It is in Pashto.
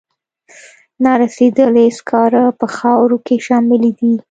نارسیدلي سکاره په خاورو کې شاملې دي.